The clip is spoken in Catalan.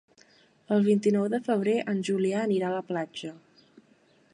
El vint-i-nou de febrer en Julià anirà a la platja.